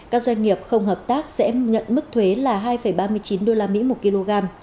các doanh nghiệp không hợp tác sẽ nhận mức thuế là hai ba mươi chín usd một kg